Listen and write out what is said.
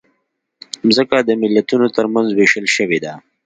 مځکه د ملتونو ترمنځ وېشل شوې ده.